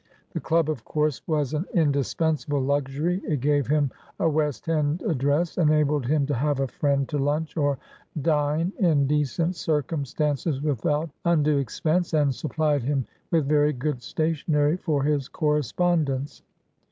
The club, of course, was an indispensable luxury; it gave him a West end address, enabled him to have a friend to lunch or dine in decent circumstances without undue expense, and supplied him with very good stationery for his correspondence.